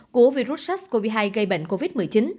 của virus sars cov hai gây bệnh covid một mươi chín